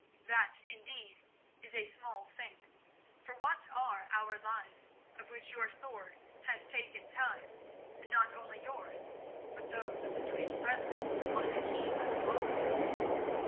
That, indeed, is a small thing, for what are our lives, of which your sword has taken tithe, and not only yours, but those of the twin brethren on the quay by the water?"